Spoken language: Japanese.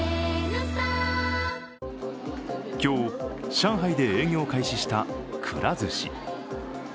今日、上海で営業開始したくら寿司。